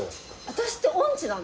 私って音痴なの？